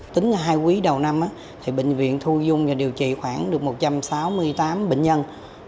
tính hai quý đầu năm bệnh viện thu dung và điều trị khoảng được một trăm sáu mươi tám bệnh nhân